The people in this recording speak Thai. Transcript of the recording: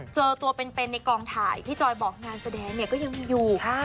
เจอตัวเป็นในกองถ่ายที่จอยบอกงานแสดงเนี่ยก็ยังมีอยู่